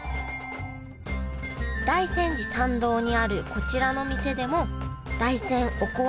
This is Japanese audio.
大山寺参道にあるこちらの店でも大山おこわ